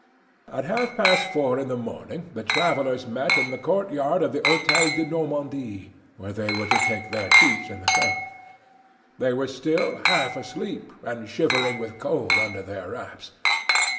At half past four in the morning the travellers met in the courtyard of the Hotel de Normandie, where they were to take their seats in the coach. They were still half asleep, and shivering with cold under their wraps.